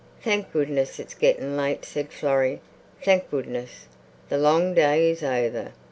"Thank goodness, it's getting late," said Florrie. "Thank goodness, the long day is over."